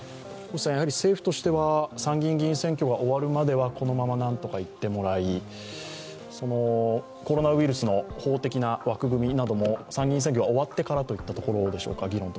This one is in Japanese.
政府としては参議院議員選挙が終わるまでは、このまま何とかいってもらい、コロナウイルスの法的な枠組みなども参議院選挙が終わってから議論といったところでしょうか。